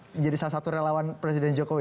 menjadi salah satu relawan presiden jokowi